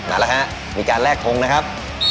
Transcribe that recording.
มาแล้วมีการแรกถุงนะครับ